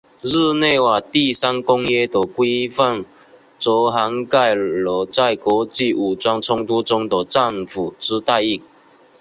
日内瓦第三公约的规范则涵盖了在国际武装冲突中的战俘之待遇。